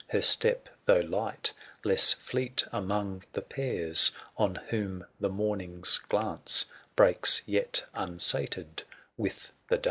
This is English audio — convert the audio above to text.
tsH Her step, though light, less fleet among The pairs, on whom the Morning's glance 165 Breaks, yet unsated with the dance.